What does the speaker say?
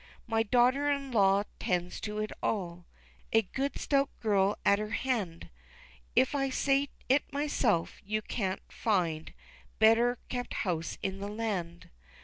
My daughter in law 'tends to it all A good stout girl at her hand If I say it myself, you can't find Better kept house in the land.